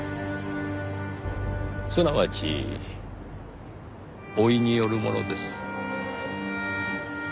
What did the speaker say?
すなわち老いによるものです。